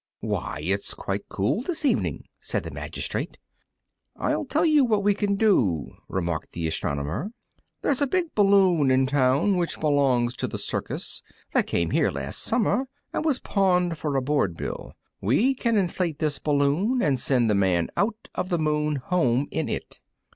"Why, it's quite cool this evening!" said the magistrate. "I'll tell you what we can do," remarked the astronomer; "there's a big balloon in town which belongs to the circus that came here last summer, and was pawned for a board bill. We can inflate this balloon and send the Man out of the Moon home in it."